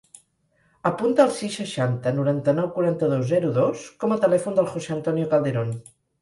Apunta el sis, seixanta, noranta-nou, quaranta-dos, zero, dos com a telèfon del José antonio Calderon.